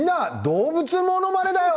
動物ものまねだよ」。